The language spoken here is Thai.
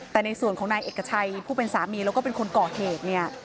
แต่ในส่วนของนายเอกชัยผู้เป็นสามีแล้วก็เป็นคนก่อเหตุเนี่ย